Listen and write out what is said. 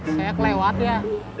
saya kelewat ya